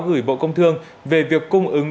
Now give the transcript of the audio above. gửi bộ công thương về việc cung ứng